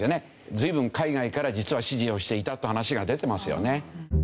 随分海外から実は指示をしていたって話が出てますよね。